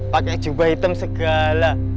pakai jubah hitam segala